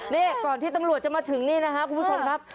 นี่ก่อนที่ตำรวจจะมาถึงนี่นะครับคุณผู้ชมครับ